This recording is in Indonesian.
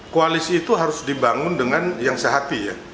koalisi itu harus dibangun dengan yang sehati ya